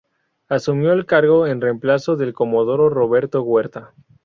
Asumió el cargo en reemplazo del comodoro Roberto Huerta.